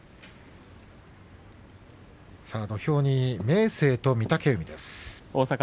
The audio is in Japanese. さあ土俵に明生と御嶽海です。